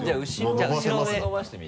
じゃあ後ろに伸ばしてみて。